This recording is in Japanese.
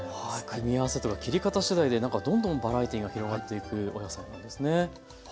組み合わせとか切り方しだいでなんかどんどんバラエティーが広がっていくお野菜なんですね。